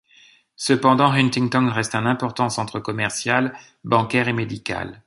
Cependant, Huntington reste un important centre commercial, bancaire et médical.